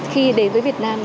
khi đến với việt nam